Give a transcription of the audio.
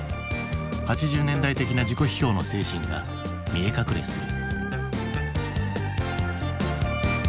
８０年代的な自己批評の精神が見え隠れする。